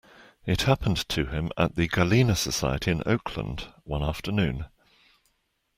It happened to him at the Gallina Society in Oakland one afternoon.